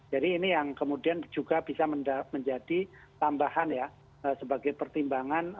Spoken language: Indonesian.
jadi ini yang kemudian juga bisa menjadi tambahan ya sebagai pertimbangan